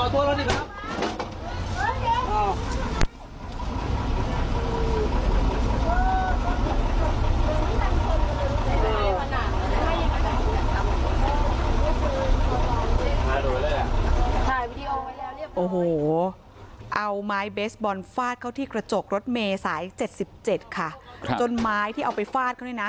ค่ะเอาไม้เบสบอลฟาดเข้าที่กระจกรถเมย์สาย๗๗คะจนไม้ที่เอาไปฟาดก็นะ